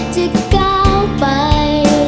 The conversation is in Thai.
จะก้าวไป